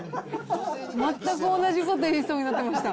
全く同じこと言いそうになってました。